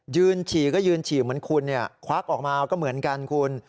ฉี่ก็ยืนฉี่เหมือนคุณเนี่ยควักออกมาก็เหมือนกันคุณ